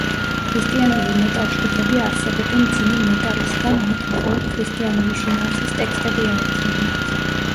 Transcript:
ქრისტიანული მეტალ ჯგუფები არსებობენ მძიმე მეტალის და მათ მხოლოდ ქრისტიანული შინაარსის ტექსტები აერთიანებთ.